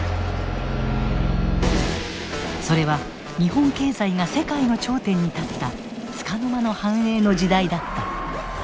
それは日本経済が世界の頂点に立ったつかの間の繁栄の時代だった。